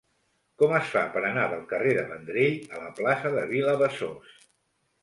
Com es fa per anar del carrer de Vendrell a la plaça de Vilabesòs?